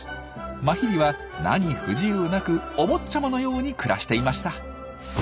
マヒリは何不自由なくお坊ちゃまのように暮らしていました。